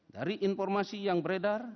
dari informasi yang beredar